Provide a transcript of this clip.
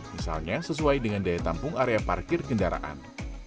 misalnya sesuai dengan daya tampung area parkir kendaraan